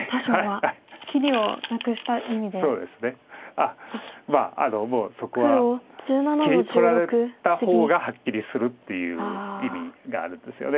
あっまあもうそこは切り取られた方がはっきりするっていう意味があるんですよね。